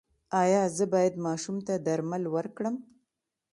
ایا زه باید ماشوم ته درمل ورکړم؟